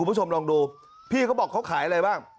คุณผู้ชมลองดูพี่เขาบอกเขาขายอะไรบ้าง